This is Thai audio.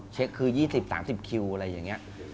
เช็คคือ๒๐๓๐คิวอะไรอย่างนี้